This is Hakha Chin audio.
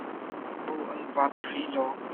Lo an vaat rih lo.